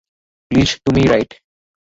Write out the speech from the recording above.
Please তুমিই right.